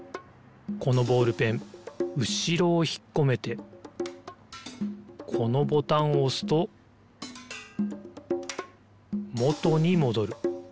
このボールペンうしろをひっこめてこのボタンをおすともとにもどる。